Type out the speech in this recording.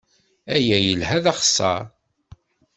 Aya yelha d axeṣṣar.